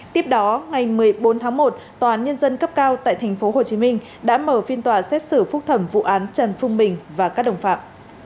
tiếp đó ngày một mươi bốn tháng một tòa án nhân dân cấp cao tại tp hcm đã mở phiên tòa xét xử phúc thẩm vụ án trần phương bình và các đồng phạm